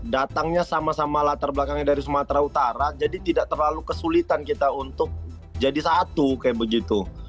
datangnya sama sama latar belakangnya dari sumatera utara jadi tidak terlalu kesulitan kita untuk jadi satu kayak begitu